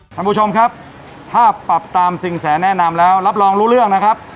ท่านผู้ชมครับถ้าปรับตามสิ่งแสแนะนำแล้วรับรองรู้เรื่องนะครับ